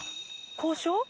交渉？